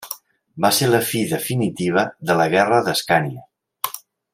Va ser la fi definitiva de la Guerra d'Escània.